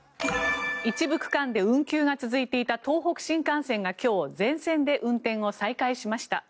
一部区間で運休が続いていた東北新幹線が今日、全線で運転を再開しました。